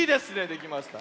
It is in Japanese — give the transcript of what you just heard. できました。